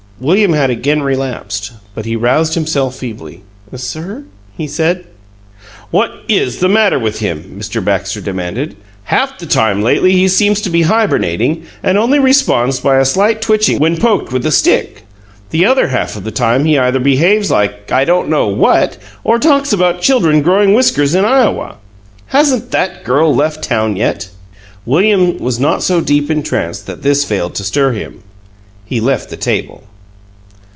William had again relapsed, but he roused himself feebly. "Sir?" he said. "What IS the matter with him?" Mr. Baxter demanded. "Half the time lately he seems to be hibernating, and only responds by a slight twitching when poked with a stick. The other half of the time he either behaves like I don't know what or talks about children growing whiskers in Iowa! Hasn't that girl left town yet?" William was not so deep in trance that this failed to stir him. He left the table.